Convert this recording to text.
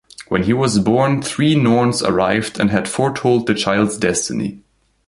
When he was born, three Norns arrived and had foretold the child's destiny.